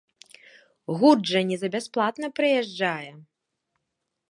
Гурт жа не за бясплатна прыязджае!